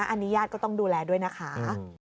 อันนี้ญาติก็ต้องดูแลด้วยนะคะ